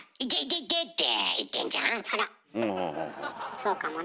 そうかもね。